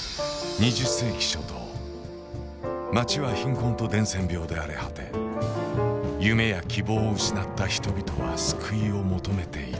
２０世紀初頭街は貧困と伝染病で荒れ果て夢や希望を失った人々は救いを求めていた。